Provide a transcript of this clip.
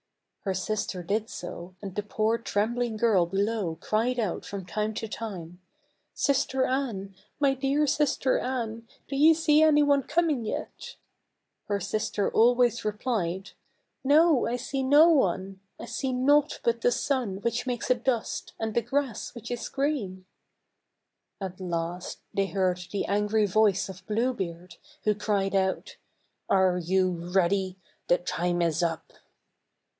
Her sister did so, and the poor trembling girl below cried out from time to time, " Sister Anne, my dear sister Anne, do you see any one coming yet ?" Her sister always replied "No, I see no one ; I see naught but the sun which makes a dust, and the grass which is green :" At last they heard the angry voice of Blue Beard, who cried out, "Are you ready? the time is up."